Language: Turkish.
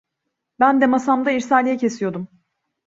Ben de masamda irsaliye kesiyordum.